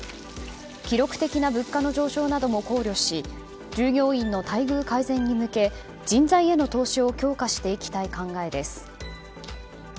記録的な物価の上昇なども考慮し従業員の待遇改善に向け人材への投資を強化していきたい考えです。